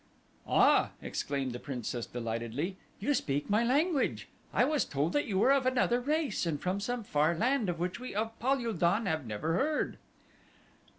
"Ah!" exclaimed the princess delightedly; "you speak my language! I was told that you were of another race and from some far land of which we of Pal ul don have never heard."